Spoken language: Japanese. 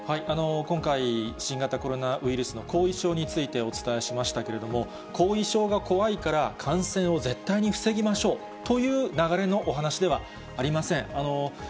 今回、新型コロナウイルスの後遺症についてお伝えしましたけれども、後遺症が怖いから、感染を絶対に防ぎましょうという流れのお話ではありません。